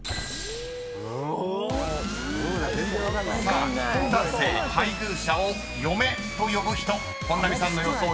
［さあ既婚男性配偶者を嫁と呼ぶ人本並さんの予想４０％。